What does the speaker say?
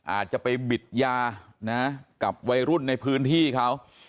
อาจจะไปบิดยานะกับวัยรุ่นในพื้นที่เขา